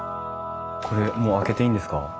これもう開けていいんですか？